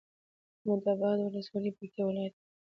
احمداباد ولسوالي پکتيا ولايت کي ده